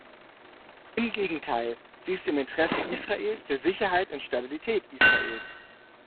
Im Gegenteil, sie ist im Interesse Israels, der Sicherheit und Stabilität Israels.